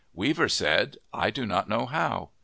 Weaver said, " I do not know how."